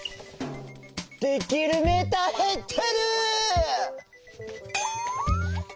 できるメーターへってる！